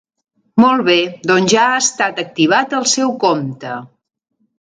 Molt bé, doncs ja ha estat activat el seu compte.